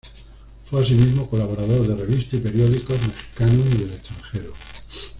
Fue asimismo colaborador de revistas y periódicos mexicanos y del extranjero.